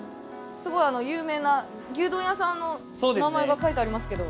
すごい有名な牛丼屋さんの名前が書いてありますけど。